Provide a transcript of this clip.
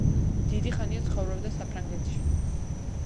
დიდი ხანი ცხოვრობდა საფრანგეთში.